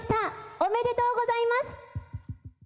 おめでとうございます。